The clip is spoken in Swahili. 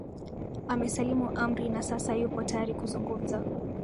amesalimu amri na sasa yupo tayari kuzungumza